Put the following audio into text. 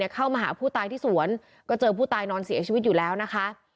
เข้ามาหาผู้ตายที่สวนก็เจอผู้ตายนอนเสียชีวิตอยู่แล้วนะคะ